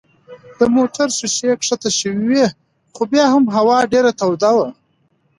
د موټر ښيښې کښته شوې وې خو بیا هم هوا ډېره توده وه.